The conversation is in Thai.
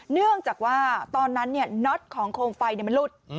เนื่องจากว่าตอนนั้นน็อตของโคมไฟมันหลุด